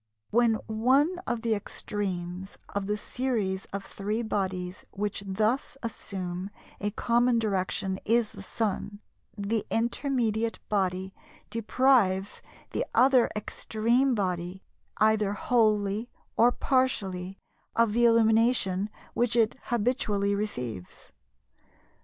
"When one of the extremes of the series of three bodies which thus assume a common direction is the Sun, the intermediate body deprives the other extreme body, either wholly or partially, of the illumination which it habitually receives.